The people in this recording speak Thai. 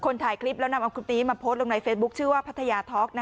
คนถ่ายคลิปแล้วนำอัมคุณปีนมาโพสต์ลงในเฟซบุ๊กชื่อว่าพัทยาทอล์ก